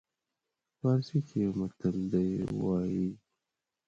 پارسي کې یو متل دی وایي.